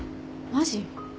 マジ？